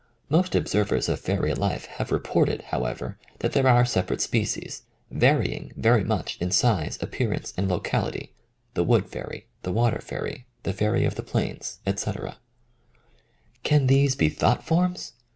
Most observers of fairy life have reported, however, that there are sep arate species, varying very much in size, ap 55 THE COMING OF THE FAIRIES pearance, and locality — the wood fairy, the water fairy, the fairy of the plains, etc. Can these be thought forms?